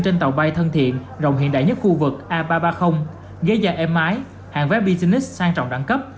trên tàu bay thân thiện rồng hiện đại nhất khu vực a ba trăm ba mươi ghế dài em mái hàng vé business sang trọng đẳng cấp